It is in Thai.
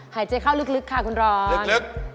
หายใจเข้าลึกค่ะคุณร้อน